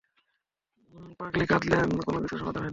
পাগলি কাঁদলে কোন কিছুর সমাধান হয় না।